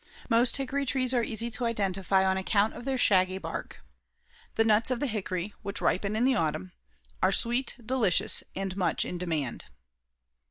Most hickory trees are easy to identify on account of their shaggy bark. The nuts of the hickory, which ripen in the autumn, are sweet, delicious and much in demand.